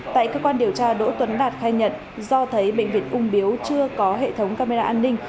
tại cơ quan điều tra đỗ tuấn đạt khai nhận do thấy bệnh viện ung biếu chưa có hệ thống camera an ninh